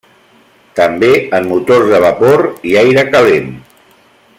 També en motors de vapor i aire calent.